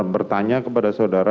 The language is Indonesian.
bertanya kepada saudara